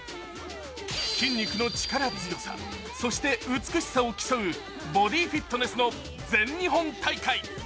筋肉の力強さ、そして美しさを競うボディフィットネスの全日本大会。